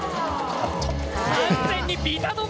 完全にビタ止め。